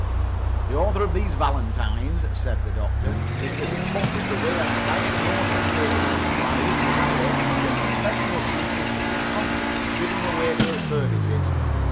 "The author of these valentines," said the Doctor, "is to be spotted, the way I diagnose the case, by his desire that professional people should be constantly giving away their services.